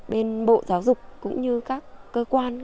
bên bộ giáo dục cũng như các cơ quan